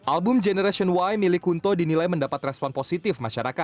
album generation y milik kunto dinilai mendapat respon positif